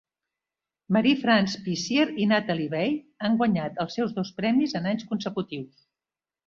Marie-France Pisier i Nathalie Baye han guanyat els seus dos premis en anys consecutius.